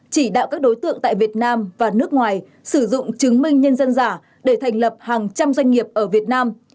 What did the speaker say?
chỉ đạo các đối tượng tại việt nam và nước ngoài sử dụng chứng minh nhân dân giả để thành lập hàng trăm doanh nghiệp ở việt nam